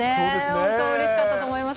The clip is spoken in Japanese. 本当うれしかったと思います。